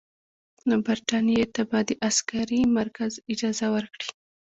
نو برټانیې ته به د عسکري مرکز اجازه ورکړي.